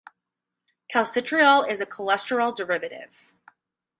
Calcitriol is a cholesterol derivative.